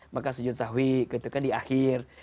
maka sujud sahwi gitu kan di akhir